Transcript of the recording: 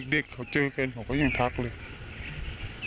เด็กเขาเจอกันผมก็ยังทักเลย